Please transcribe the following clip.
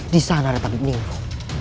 di sana ada tabib nenglu